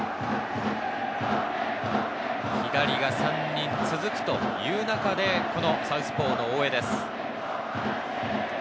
左が３人続くという中で、このサウスポーの大江です。